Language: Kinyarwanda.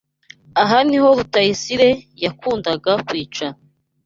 Aha niho Rutayisire yakundaga kwicara.